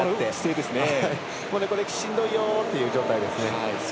しんどいよっていう状態ですね。